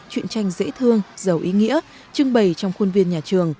chuyện tranh dễ thương giàu ý nghĩa